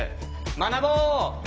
学ぼう！